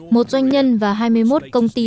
một doanh nhân và hai mươi một công ty